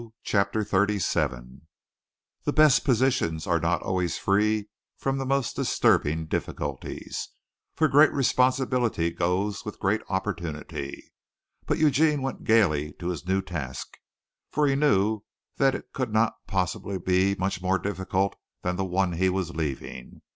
CHAPTER XXXVII The best positions are not always free from the most disturbing difficulties, for great responsibility goes with great opportunity; but Eugene went gaily to this new task, for he knew that it could not possibly be much more difficult than the one he was leaving.